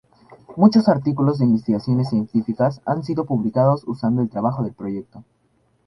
Muchos artículos de investigaciones científicas han sido publicados usando el trabajo del proyecto.